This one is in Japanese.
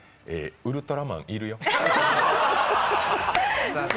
ウルトラマンいるよ。